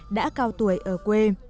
đã cao tuổi ở quê